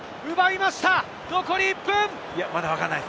まだわからないです。